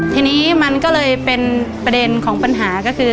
ทีนี้มันก็เลยเป็นประเด็นของปัญหาก็คือ